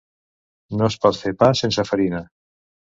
No es pot fer pa sense farina.